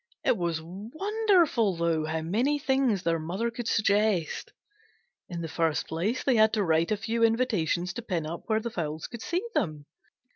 It was wonderful how many things their mother could suggest. In the first place, they had to write a few invitations to pin up where the fowls could see them.